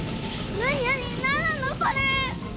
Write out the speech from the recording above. なんなのこれ！？